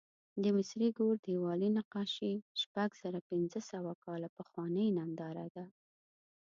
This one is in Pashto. د مصري ګور دیوالي نقاشي شپږزرهپینځهسوه کاله پخوانۍ ننداره ده.